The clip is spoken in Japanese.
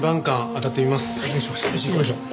行きましょう。